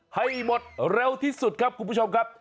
ให้หมดเร็วที่สุดครับคุณผู้ชมครับ